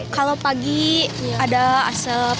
kalau pagi ada asap